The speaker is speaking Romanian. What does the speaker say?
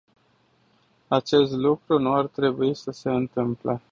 Acest lucru nu ar trebui să se întâmple.